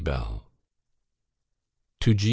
BELL." To G.